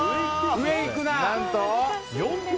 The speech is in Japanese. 上行くな。